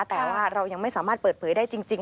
แต่ว่าเรายังไม่สามารถเปิดเผยได้จริง